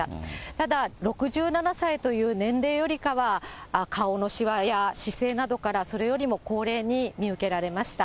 ただ、６７歳という年齢よりかは、顔のしわや姿勢などから、それよりも高齢に見受けられました。